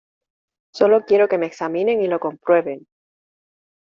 solo quiero que me examinen y lo comprueben.